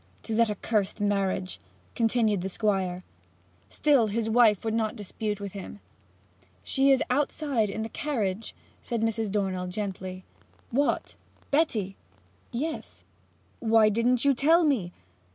''Tis that accursed marriage!' continued the Squire. Still his wife would not dispute with him. 'She is outside in the carriage,' said Mrs. Dornell gently. 'What Betty?' 'Yes.' 'Why didn't you tell me?'